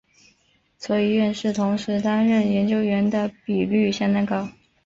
所以院士同时担任研究员的比率相当高。